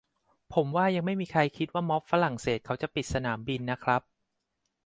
ผมว่ายังไม่มีใครคิดว่าม็อบฝรั่งเศสเขาจะปิดสนามบินนะครับ